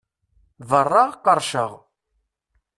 Berraɣ qerrceɣ!